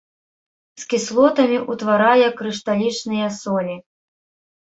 З кіслотамі ўтварае крышталічныя солі.